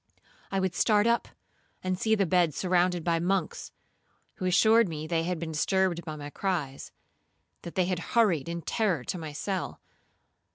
I would start up and see the bed surrounded by monks, who assured me they had been disturbed by my cries,—that they had hurried in terror to my cell.